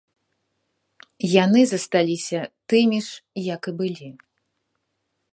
Яны засталіся тымі ж, як і былі.